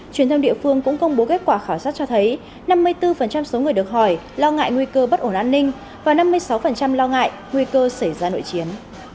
truyền thông địa phương cũng công bố kết quả khảo sát cho thấy năm mươi bốn số người được hỏi lo ngại nguy cơ bất ổn an ninh và năm mươi sáu lo ngại nguy cơ xảy ra nội chiến